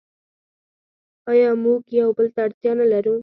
آیا موږ یو بل ته اړتیا نلرو؟